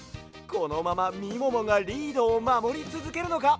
このままみももがリードをまもりつづけるのか？